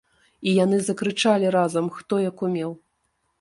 І яны закрычалі разам, хто як умеў.